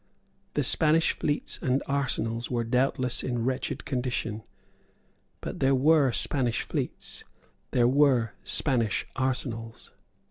The Spanish fleets and arsenals were doubtless in wretched condition. But there were Spanish fleets; there were Spanish arsenals.